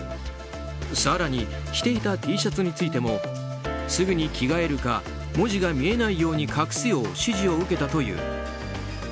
更に着ていたＴシャツについてもすぐに着替えるか文字が見えないように隠すよう指示を受けたという。